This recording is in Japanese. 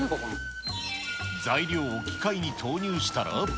材料を機械に投入したら。